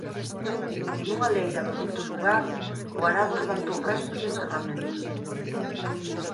Nunha leira do dito lugar o arado levantou restos de enterramentos.